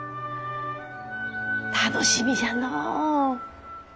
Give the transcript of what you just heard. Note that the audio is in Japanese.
楽しみじゃのう。